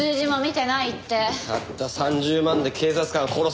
たった３０万で警察官を殺すなんて。